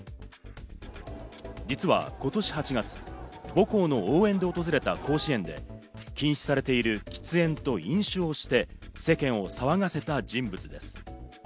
実は今年８月、母校の応援で訪れた甲子園で禁止されている喫煙と飲酒をして世間を騒がせた人物です。